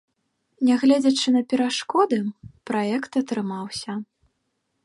Нягледзячы на перашкоды, праект атрымаўся.